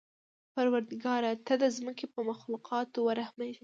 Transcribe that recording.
پروردګاره! ته د ځمکې په مخلوقاتو ورحمېږه.